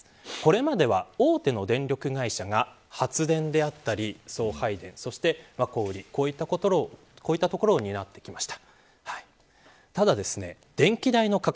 これまでは大手の電力会社が発電や送配電、小売りこういったところを担ってきました。